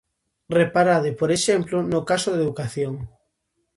Reparade, por exemplo, no caso da educación.